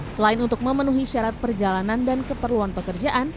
selain untuk memenuhi syarat perjalanan dan keperluan pekerjaan